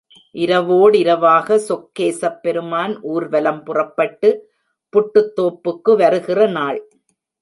இரவோடிரவாக, சொக்கேசப் பெருமான் ஊர்வலம் புறப்பட்டு புட்டுத்தோப்புக்கு வருகிற நாள்.